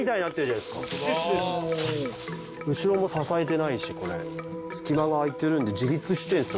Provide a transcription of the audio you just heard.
後ろも支えてないしこれ隙間が空いてるんで。